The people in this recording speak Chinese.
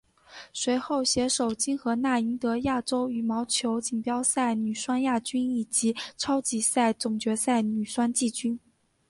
随后携手金荷娜赢得亚洲羽毛球锦标赛女双亚军以及超级赛总决赛女双季军。